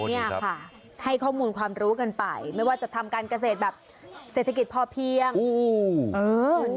เนี่ยค่ะให้ข้อมูลความรู้กันไปไม่ว่าจะทำการเกษตรแบบเศรษฐกิจพอเพียงอืมเออ